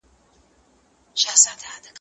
¬ ستا دا رارا، زما دا نې نې.